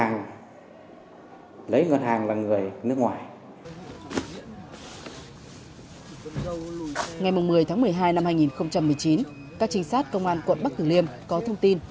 ngày một mươi tháng một mươi hai năm hai nghìn một mươi chín các trinh sát công an quận bắc tử liêm có thông tin